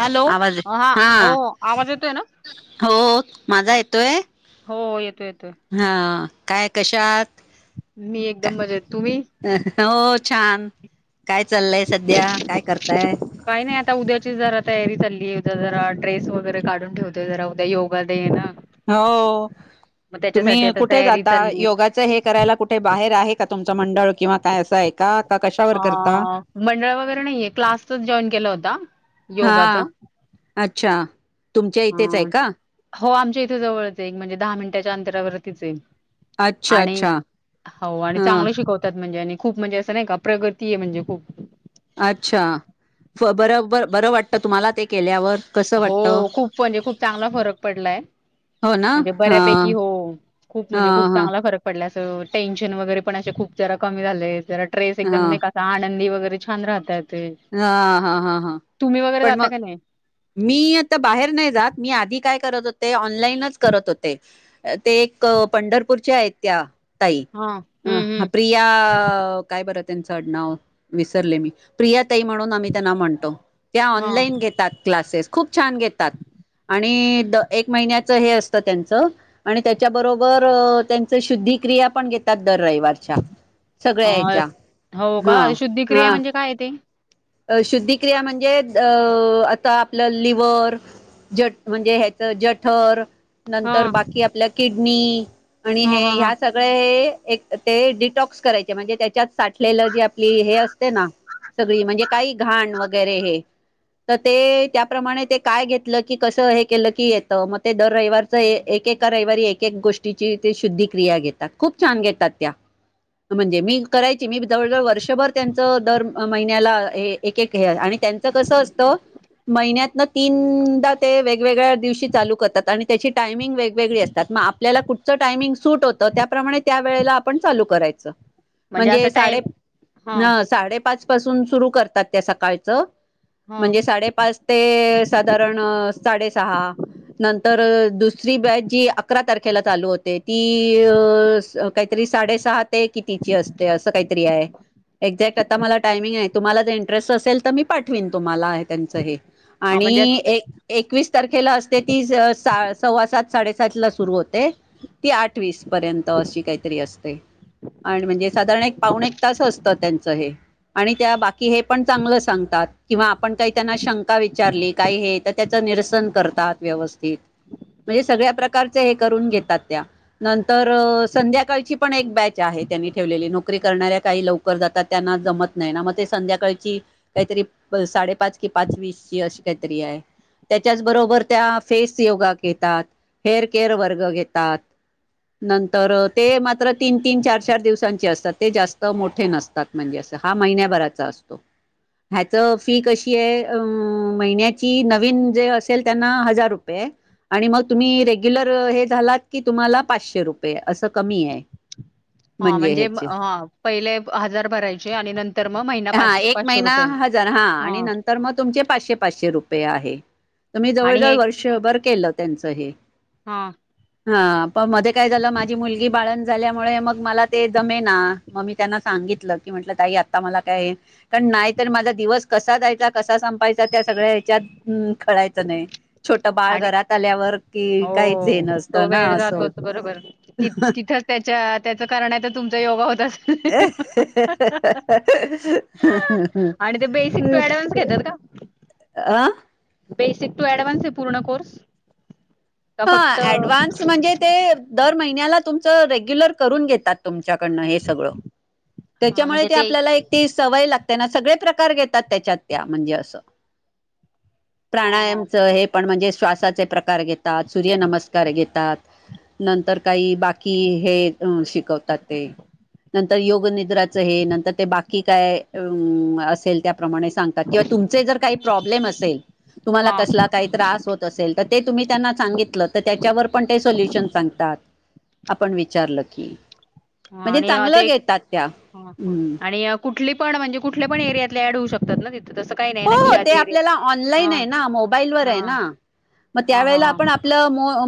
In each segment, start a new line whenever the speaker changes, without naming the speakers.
Hello
आवाज आहे
हो
हा
हो आवाज येतोय ना
हो माझा येतोय
ते
हा काय कशात
मी
का
एकदम बर तुम्ही
हो छान काय चाललंय सध्या काय करताय
काही नाही आता उद्याची जरा तयारी चालली जरा ड्रेस वगैरे काढून ठेवतेय जरा उद्या योगा दे ना
हो
मग त्याच्यासाठी
तुम्ही
आता
कुठे
तयारी
जाता
चालली आहे.
योगाच हे करायला कुठे बाहेर आहे का तुमचं मंडळ किंवा काय असं आहे का का कशावर करता
अ मंडळ वगैरे नाहीये क्लासच जॉईन केला होता योगाचा
हा अच्छा तुमच्या
अ,
इथेच आहे का
हो आमच्या इथं जवळच आहे म्हणजे दहा मिनिटाच्या अंतरावरतीच आहे
अच्छा
आणि
अच्छा
हो आणि
हा
चांगलं शिकवतात म्हणजे आणि खूप म्हणजे असं नाही का प्रगती आहे म्हणजे खूप
अच्छा बर बर वाटतं तुम्हाला ते केल्यावर कसं
हो
वाटत
खूप म्हणजे खूप चांगला फरक पडलाय
हो ना
म्हणजे
हा
बऱ्यापैकी हो खूप
हा
म्हणजे खूप
हा
चांगला फरक पडला टेनशन वगैरे पण असे खूप जरा कमी झाले जरा ्रेस एकम
हा
नाही कसा आनंदी वगैर छान राहतात ते
हा हा हा हा
तुम्ही वगैरे
पण
जाता
मग
का नाही
मी आता बाहेर नाही जात मी आधी काय करत होते ऑनलाईनच करत होते ते एक पंढरपूरच्या आहेत त्या ताई
हा हम्म
अ
हम्म
प्रिया काय बरत त्यांचं नाव विसरले मी प्रियताई म्हणून आम्ही त्यांना म्हणतो त्या
हा
ऑनलाईन घेतात क्लासेस खूप छान घेतात आणि द एक महिन्याचं हे असतं त्यांचं आणि त्याच्याबरोबर त्यांच शुद्धिक्रिया पण घेतात दर रविवारच्या सगळ्या
अ
यायच्या
हो का
हा
शुद्धिक्रिया
हा
म्हणजे काय आहे ते
अ शुद्धिक्रिया म्हणजे आता आपलं लिवर्ह ज म्हणजे ह्याच जठर
हा
नंतर बाकी आपल्या किड अग म आणि
हा
हे
हा हा
ह्या सगळ्या हे एक ते डिटॉक्स करायचे म्हणजे त्याच्यात साठलेलं जे हे असते ना सगळी म्हणजे काही घाण वगैरे हे तर ते त्याप्रमाणे ते काय घेतलं की कसं हे केलं की येतं मग ते दर रविवारच एकका रविवारी एकक गोष्टीची ते शुद्धिक्रिया घेतात खूप छान घेतात त्या म्हणजे मी करायची मी जवळ जवळ वर्षभर त्यांच दर महिन्याला एक एक हे आणि त्यांचं कसं असतं महिन्यात ना तीनदा ते वेगवेगळ्या दिवशी चालू करतात आणि त्याची टायमिंग वेगवेगळी असतात मग आपल्याला कुठचं टायमिंग सूट होतं त्याप्रमाणे त्या वेळेला आपण चालू करायचं
असं
म्हणजे सा
टाईम हा
पाच सुरू कर ात त्या सकाळचं
हा
णजे सा पाच साधण न द ब अक तारेला चाल त काहीतात कि तिची असते अस काहीतरी आहे एक्ॅक्ट ता मला टायमिंग आहे तुमला ड्रेस असेल तर मी पाठवीन तुमला हे
हा म्हणजे
आणि एकस तारखेला असते ती सव्वा सात साडेसात ला सुरू होते ती आठ वस पर्यंत अशी काहीतरी असते आणि म्हणजे साधारण एक पाऊण एक तास असतं त्यांचं हे आणि त्या बाकी हे ण चांगलं सांगतात किंवा आपण काही त्यांना शंका विचारली काही हे तर त्याच निरसन करतात व्यवस्थित म्हणजे सगळ्या प्रकारचे हे करून घेतात त्या नंतर संध्याकाळची पण एक बॅच आहे त्यांनी ठेवलेली नोकरी करणाऱ्या काही लवकर जातात त्यांना जमत नाही ना मग ते संध्याकाळ काहीतरी साडेपाच कि पाच वीस ची अशी काहीतरी आहे त्याच्याच बरोबर त्या फेस योगा घेतात हेअर केअर वर्ग घेतात नंतर ते मात्र तीन तीन चार चार दिवसांचे असतात ते जास्त मोठे नसतात म्हणजे अस हा महिन्याभराचा असतो ह्याच फी कशी आहे महिन्याची नवीन जे असेल त्यांना हजार रुपये आणि मग तुम्ही रेग्युलर हे झालात की तुम्हाला पाचशे रुपये असं कमी आहे
हा म्हणजे पहिले हजार भरायचे आणि नंतर मग महिना
हा
पाचशे
एक
पाचशे
महिना
रुपये
हजार हा आणि नंतर मग तुमचे पाचशे पाचशे रुपये आहे तुम्ही जवळ
आणि हे
जवळ वर्षभर केल त्यांचं हे
हा
हा पण मध्ये काय झालं माझी मुलगी बाळण झाल्यामुळे मग मला ते जमेना मगी त्यांना सांगितलं की म्हटलं ताई आता मला काय कारण नाही तर माझा दिवस कसा जायचा कसा संपायचा त्या सगळ्या ह्याच्यात कळायचं नाही छोटं बाळ
आणि
घरात आल्यावर कि
हो
काहीच हे
तो
नसतं ना
वेळ
असं
जातोच
होत
बरोबर त तिथ त्याच्या त्याच कारण आहे तर तुमच योग होत असेल. आणि ते बेसिक टू ऍडव्हान्स घेतात का?
ह का
बेसिक टू ऍडव्हान्स आहे पूर्ण कोर्स का फक्त
हा डवान्स म्हणजे ते द महिन्या तुमचं रेग्युलर करून घेतात तु त्यामुळे
म्हणजे ते
आपल्या सय ला त्यांना सगळे प्रकार घेतात त्याच्यात त्या म्हणजे असं
हा हा
प्राणायामच हे पण म्हणजे शवास प्रकार घेत सूर्य नमस्कार घेतात नंतर काही बाकी हे अ शिकवतात ते नंतर योग नि ्र हे नंतर ते बाकी काय असेल त्या क त ज का प्रब्मे
हा
तुमला क त होत असेल ते तुमही त्यांना सांगितलं त्याच्यावर पण ते सल्युशन सांगतात आपण विचारलं की
ह
म्हणजे
आणि
चांगलं
ते
घेतात त्या हम्म
आणि कुठ कुठ पणे कुठल्याण एरियात ड होऊ शकत ना ते
हो ते आपल्याला ऑनलाईन आहे ना मोबाईलवर आहे
हा
मग त्या
हा
वळे
हा
आपण आप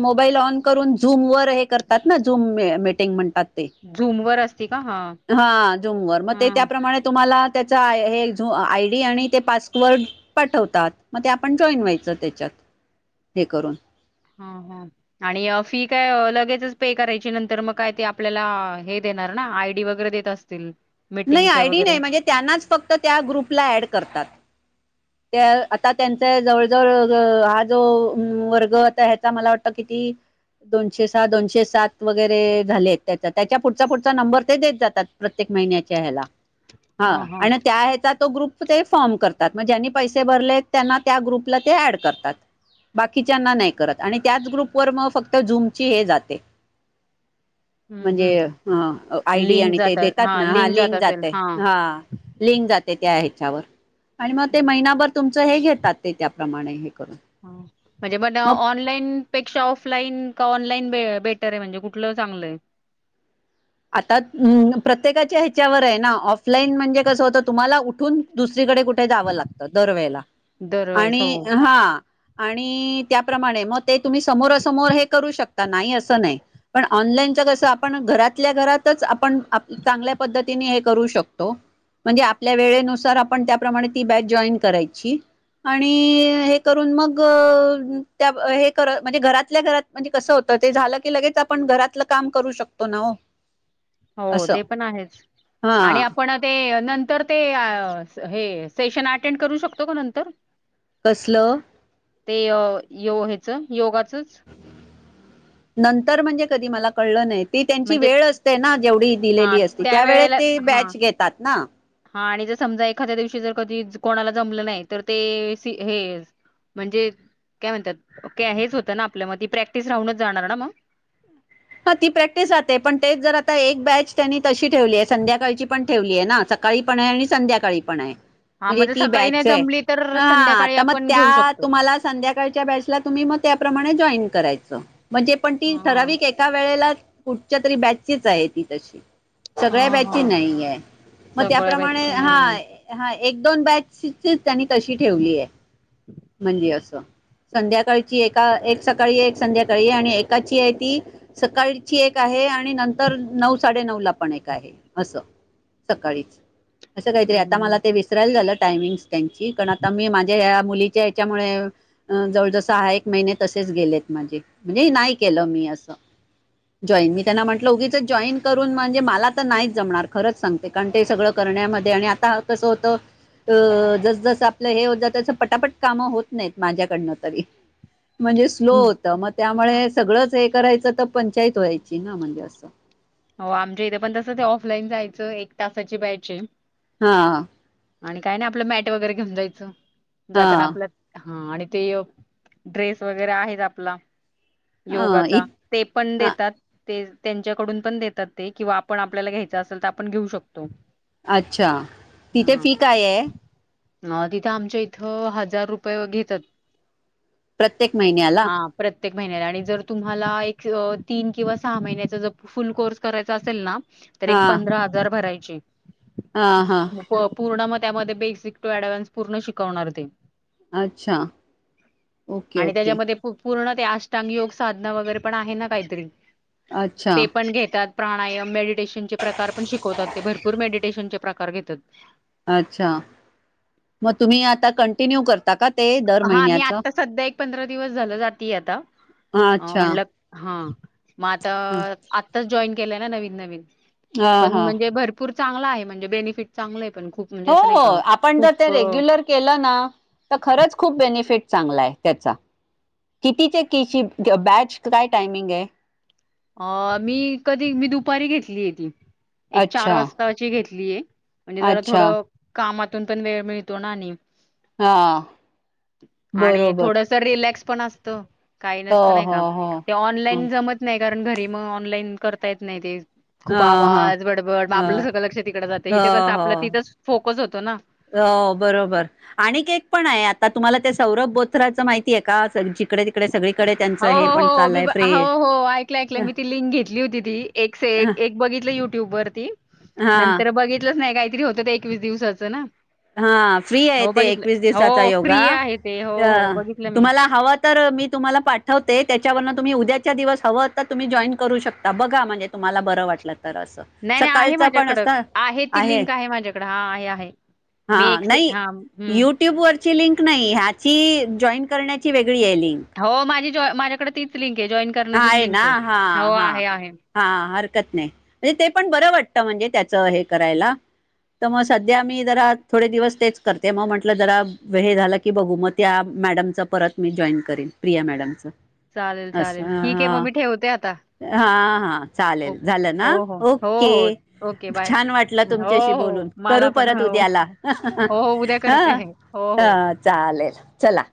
मोबाईल ऑन करून झूम व हे करतात ना जूम मीटींग म्हणतात
झूम वर असती का हा
हा जुमवरर मग ते
हा
त्याप्रमाणे तुम्हाला त्याचा हे झ आय डी आणि ते पासवर्ड पाठवतात मग ते आपण जॉईन व्हायचं त्याच्यात हे करून
ह हा आणि फी काय लगेचच पे करायची नंतर मग काय ते आपल्याला हे देणार ना आय डी वगैरे देत असतील
नाही
मीटिंगच
आयडी
वगैरे
नाही म्हणजे त्यांनाच फक्त त्या ग्रुपला ऍड करतात त्या आता त्यांचा जवळ जवळ हा जो वर्ग आता ह्याचा मला वाटत किती दोनशे सहा दोनशे सात वगैरे झाले आहेत त्याचा त्याच्या पुढचा पुढचा नंबर ते देत जातात प्रत्येक महिन्याच्या ह्याला हा आणि त्या ह्याचा तो ग्रुप ते फॉर्म करतात म्हनी प भरले त्यां त्या ग्रुपला ड करतात बात आणि त्याच ग्रुप व मक्त जम जे
हम्म हम्म
म्हणजे आयडी
लिंक
आणि ते
जात
देतात ना हा
जात
लिंक
असेल
जाते हा लिंक जाते त्या ह्याच्यावर आणि मग ते
हम्म,
महिनाभर तुमच हे घेतात ते त्याप्रमाणे करून
म्हणजे पण
मग
ऑनलाईन पेक्षा ऑफलान ऑनलाईन ब बेटर आहे म्हणजे कुठलं चांगलंय
आता प्रत्येकाच्या ह्याच्यावर आहे ना ऑफलाईन म्हणजे कसं होतं तुम्हाला उठून दुस कुठे जाव लागत दरवे
दरवेळेस हो
आणि हा आणि त्याप्रमाणे मग ते तुम्ही समोरासमोर हे करू शकता नाही असं नाही पण ऑनलाईनच कसं आपण घरात ल्या घरातच आपण चांगल्या पद्धतीने हे करू शकतो म्हणजे आपल्या वेळेनुसार आपण त्यापमाणे ती बॅच जॉईन करायची आणि हे करून मग त्या म्हणज घरातल्या घरात म्हणजे कस होत ते झालं की लगेच आपण घरातलं काम करू शकतो ना
हो
असं
ते पण आहेच
हा
आणि आपण ते नंतर ते हे सेशन अटेंड करू शकतो का नंतर
कसलं
ते यो ह्याच योगात
नंतर म्हणजे कधी मला कळलं नाही ती त्यांची
म्हणजे
वेळ असते ना जेवढी
हा
दिलेली असते त्या वेळ
वेळेला
ते
हा
बॅच घेतात ना
हा आणि जर समजा एखाद्या दिवशी जर कधी कोणाला जमलं नाही तर ते हे म्हणजे काय म्हणतात हेच होतं ना आपल्या म प्रॅक्टिस राहूनच जाणार ना मग
हा ती प्रॅक्टिस जाते पण तेच जर आता एक बॅच त्यांनी तशी ठेवली आहे संध्याकाळची पण ठेवली आहे ना सकाळी पण आहे आणि संध्याकाळी पण आहे
हा
म्हणजे ती
सकाळी नाही
बॅच आहेा
जमली तर संध्याकाळी
आता मग
आपण घेऊ
त्या
शकतो
तुम्हाला संध्याकाळच्या बॅचला तुम्ही मग त्याप्रमाणे जॉईन करायचं म्हणजे पण ती
हा
ठरावीिक आहे वेळे कुठच्या तरी बॅचीच आहे ती तशी
हा
सगळ्या
हा हा
बॅची नाही आहे मग
सगळ्या
त्याप्रमाणे
बॅचची नाही
हा हा एक दोन बॅच त्यांनी तशी ठेवली आहे म्हणजे असं संध्याकाळची एका एक सकाळी एक संध्याकाळी आणि एकाची आहे ती सकाळची एक आहे आणि नंतर नऊ साडे नऊ ला पण एक आहे असं सकाळीच असं काहीतरी आता
हम्म,
मला ते विसरायला झालं टायमिंग त्यांची कारण आता मी माझ्या या मुलीच्या याच्यामुळे जवळजस हहा एक महिने तसेच गेलेत माझे म्हणजे नाही केलं मी असं जॉईन मी त्यांना म्हटलं उगीच जॉईन करून म्हणजे मला तर नाहीच जमणार खरंच सांगते कारण ते सगळं करण्यामध्ये आणि आता कसं होत अ जस जस आपलं हे हो त पटापट काम होत नाहीत माझ्याकडन तरी म्हणजे स्लो
हम्म.
होत मग त्यामुळे सगळंच एक करायचं तर पंचायत व्हायची ना म्हणजे असं
हो आमच्या इथे पण तसं ते ऑफलाईन जायचं एक तासाची पा्यायज
हा
आणि काय नाही आपलं मॅट वगैरे घेऊन जायचं. जाताना
हा
आपल्या. हा आणि ते ड्रेस वगैरे आहेत आपला.
ह इ
योगाचा ते पण देतात. ते त्यांच्याकडून पण देतात ते किंवा आपण आपल्याला घ्यायच असेल तर आपण घेऊ शकतो
अच्छा. तिथे फी काय आहे.
अ तिथं आमच्या इथं हजार रुपये घेतात.
प्रत्येक महिन्याला.
हा प्रत्येक महिन्याला आणि जर तुम्हाला एक तीन किंवा सहा महिन्याचा जर फुल कोर्स करायचा असेल ना तर
हा
एक पंधरा हजार भराय चे.
हा. हा
पूर्ण त्यामध्ये बेसिक टू अँडव्हान्स पूर्ण शिकवणार ते.
अच्छा ओके
आणि
ओके.
त्याच्यामध्ये पूर्ण ते अष्टांग योग साधना वगैरे पण आहे ना काहीतरी.
अच्छा
ते पण घेतात. प्राणायाम मेडी- मेडिटियशन चे प्रकार पण शिकतात ते भरपूर मेडि मेडिटियशनचे प्रकार घेतात.
अच्छा मग तुम्ही आता कंटिन्यू करता का. ते दर
हा मी
महिन्याचं.
आता सध्या एक पंधरा दिवस झालं जातीये आता. अ
अच्छा
म्हटलं हा मग आता
हा
आताच जॉईन. केलंय ना नवीन नवीन. पण
हा
म्हणजे भरपूर. चांगला आहे म्हणजे बेनिफिट चांगलं. पण खूप म्हणजे
हो
असं नाही
हो
का
आपण जर ते
खूप
रेग्युलर केलं ना तर खरंच खूप बेनिफिट. फिट चांगला आहे त्याचा किती ते किती बॅच काय टायमिंग आहे.
अ मी कधी मी दुपारी घेतली आहे ती. एक चार
अच्छा,
वाजताची घेतली. घेतलीये. म्हणजे जरा
अच्छा,
थोडं कामात. तुन पण वेळ मिळतो ना आणि.
हा
आणि
बरोबर.
थोडस रिलॅक्स पण असतं काही
हो,
नसत नाही
हो,
का
हो.
ते
हो
ऑनलाईन जमत नाही कारण घरी मग ऑनलाईन करता येत नाही ते खूप
हा, हा,
आवाज बडबड आपलं
हा.
सगळं लक्षात तिकडडे जातं
हो,
इिथे कस आपलं
हो,
तिथं फोकस होतं ना
हो बरोबर आणि अनिकेत पण आहे आता तुम्हाला त्या सौरभ बोथराचं माहिती आहे का जिकडे तिकडे सगळी
हो हो हो मी हो हो ऐकलं ऐकलं मी ती लिंक घेतली होती ती
हा,
एक बघितलं युट्यूब वर ती
हा,
नंतर बघितलंच नाही काहीतरी होत एकवीस दिवसाचं ना
हा फ्री आहे
हो
ते
बघितलं
एकवीस दिवसाचा
हो
योगा
फ्री आहे ते हो हो बघितलं मी
तुम्हाला हवं तर मी तुम्हाला पाठवते त्याच्यावरं तुम्ही उद्याच्या दिवस हवं तर तुम्ही जॉईन करू शकता बघा म्हणजे तुम्हाला बरं वाटलं तर असं
नाही नाही आहे
सकाळचं पण
माझ्याकडं
असतं
आहे ती लिंक आहे माझ्याकडें हा आहे आहे
हा
मी एक से
नाही
हा हम्म
युट्युबवररची लिंक नाही ह्याची जॉईन करण्याची वेगळी हाय लिंक
हो माझी माझ्याकडे तीच लिंक आहे. जॉइन करण्याचीच
आहे
लिंक
ना हा
हो,
हा
आहे, आहे.
हा हरकत नाही ते पण बरं वाटत म्हणजे त्याच हे करायला तर मग सध्या मी जरा थोडे दिवस तेच करते मग म्हंटलं जरा हे झालं की बघू मग त्या मॅडमच परत मी जॉईन करेन प्रिया मॅडमच
चालेल चालेल
ह
ठीक आहे मग मी ठेवते आता.
ह हा हा चालेल
ओके.
झालं ना
हो, हो. हो,
ओके
हो. Okay bye.
छान वाटलं
हो,
तुमच्याशी
हो.
बोलून
मला
करू
पण
परत
हो.
उद्याला
हो, हो. उद्या
हा
करते. हो,
ह
हो.
चालेल चला